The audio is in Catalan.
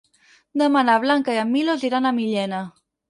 Demà na Blanca i en Milos iran a Millena.